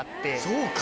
そうか。